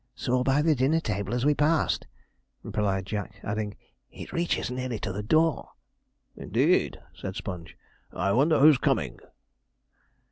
'Saw by the dinner table as we passed,' replied Jack, adding, 'it reaches nearly to the door.' 'Indeed,' said Sponge, 'I wonder who's coming?'